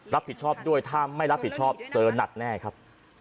รับผิดชอบด้วยถ้าไม่รับผิดชอบเจอหนักแน่ครับ